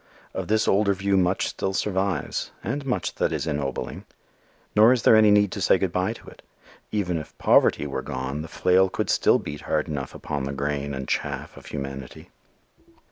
Of this older view much still survives, and much that is ennobling. Nor is there any need to say goodby to it. Even if poverty were gone, the flail could still beat hard enough upon the grain and chaff of humanity.